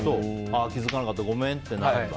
気づかなかったごめんってなるんだ。